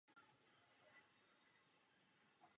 Tisíce lidí jsou honem vyzýváni k očkování.